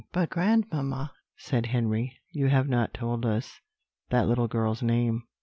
"But, grandmamma," said Henry, "you have not told us that little girl's name."